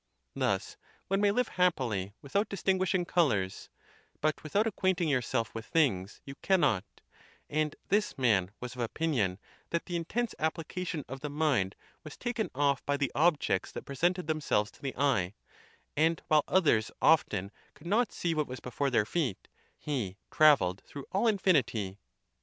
Thus one may live happily without distinguishing colors; but without acquainting yourself with things, you cannot; and this man was of opinion that the intense application of the mind was taken off by the objects that presented them selves to the eye; and while others often could not see what was before their feet, he travelled through all infini ty.